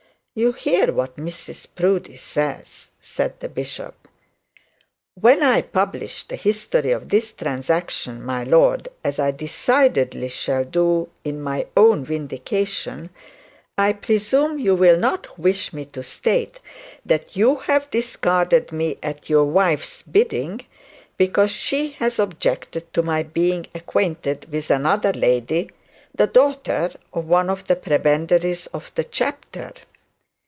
'You hear what Mrs Proudie says,' said the bishop. 'When I publish the history of this transaction, my lord, as I decidedly shall do in my own vindication, I presume you will not wish me to state that you have discarded me at your wife's bidding because she has objected to my being acquainted with another lady, the daughter of one of the prebendaries of the chapter?'